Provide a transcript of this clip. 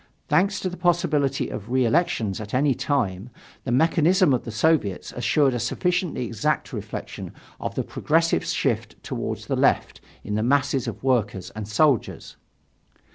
Thanks to the possibility of reelections at any time, the mechanism of the Soviets assured a sufficiently exact reflection of the progressive shift toward the left in the masses of workers and soldiers.